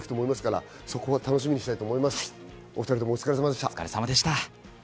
お２人ともお疲れさまでした。